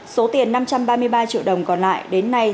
số tiền năm trăm ba mươi ba triệu đồng còn lại đến nay